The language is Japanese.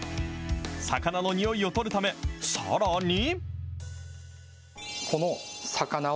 魚のにおいを取るため、さらに。